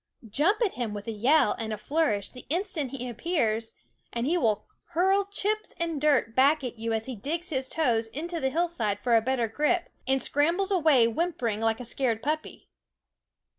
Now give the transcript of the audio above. Jump at him with a yell and a flourish the instant he appears, and he will hurl chips and dirt back at you as he digs his toes into the hill side for a better grip and scrambles away whimpering like a scared puppy.